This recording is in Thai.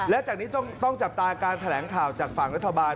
และจากนี้ต้องจับตาการแถลงข่าวจากฝั่งรัฐบาล